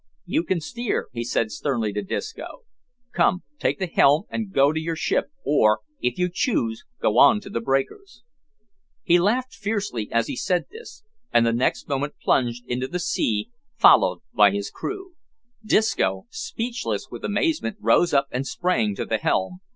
"You can steer," he said sternly to Disco. "Come, take the helm an' go to your ship; or, if you choose, go on the breakers." He laughed fiercely as he said this, and next moment plunged into the sea, followed by his crew. Disco, speechless with amazement, rose up and sprang to the helm.